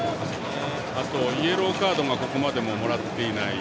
あと、イエローカードがここまでも、もらっていない。